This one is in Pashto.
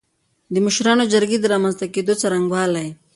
د مشرانو جرګې د رامنځ ته کېدو څرنګوالی